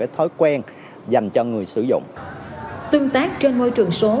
tương tác trên môi trường số